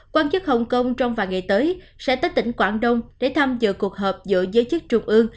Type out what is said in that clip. quan chức hồng kông trong vài ngày tới sẽ tới tỉnh quảng đông để tham dự cuộc họp giữa giới chức trung ương